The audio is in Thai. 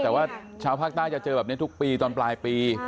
แต่ว่าชาวภาคใต้จะเจอแบบนี้ทุกปีตอนปลายปี